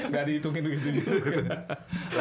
gak dihitungin begitu juga